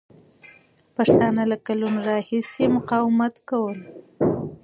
پښتانه له کلونو راهیسې مقاومت کوله.